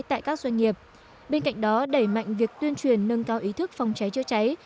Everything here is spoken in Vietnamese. tại các doanh nghiệp bên cạnh đó đẩy mạnh việc tuyên truyền nâng cao ý thức phòng cháy chữa cháy